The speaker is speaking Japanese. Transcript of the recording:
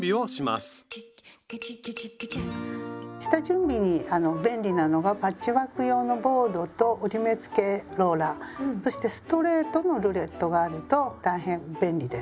下準備に便利なのがパッチワーク用のボードと折り目つけローラーそしてストレートのルレットがあると大変便利です。